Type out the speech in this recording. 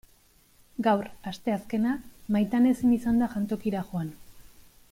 Gaur, asteazkena, Maitane ezin izan da jantokira joan.